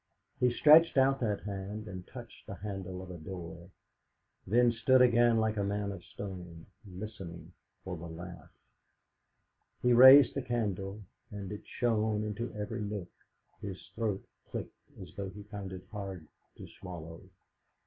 He stretched out that hand and touched the handle of a door, then stood again like a man of stone, listening for the laugh. He raised the candle, and it shone into every nook; his throat clicked, as though he found it hard to swallow....